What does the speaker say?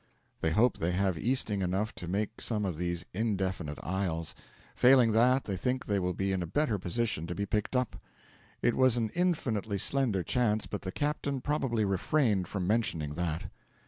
They hope they have easting enough to make some of these indefinite isles. Failing that, they think they will be in a better position to be picked up. It was an infinitely slender chance, but the captain probably refrained from mentioning that.